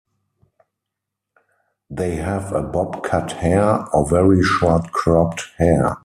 They have a Bob cut hair or very short cropped hair.